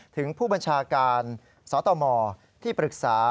ถึงผู้บัญชาการสตมที่ปรึกษา